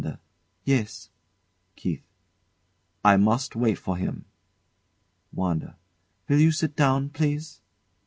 Yes. KEITH. I must wait for him. WANDA. Will you sit down, please?